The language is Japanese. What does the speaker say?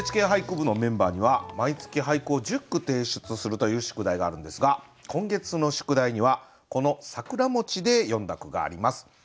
「ＮＨＫ俳句部」のメンバーには毎月俳句を１０句提出するという宿題があるんですが今月の宿題にはこの「桜」で詠んだ句があります。